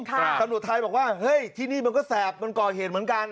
ตำรวจไทยบอกว่าเฮ้ยที่นี่มันก็แสบมันก่อเหตุเหมือนกัน